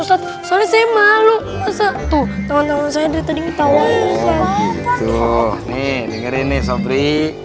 jatuh soalnya saya malu masa tuh teman teman saya dari tadi tahu tuh nih dengerin nih sopri